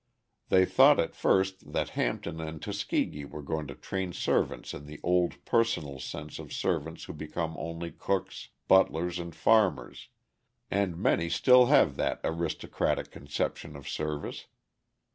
They thought at first that Hampton and Tuskegee were going to train servants in the old personal sense of servants who become only cooks, butlers, and farmers, and many still have that aristocratic conception of service.